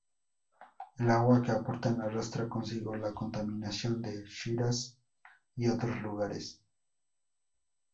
El agua que aportan arrastra consigo la contaminación de Shiraz y otros lugares.